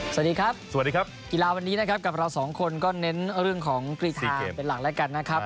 สวัสดีครับสวัสดีครับกีฬาวันนี้นะครับกับเราสองคนก็เน้นเรื่องของกรีธาเป็นหลักแล้วกันนะครับ